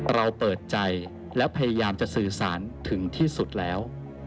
เราเปิดใจและพยายามจะสื่อสารถึงที่สุดแล้ว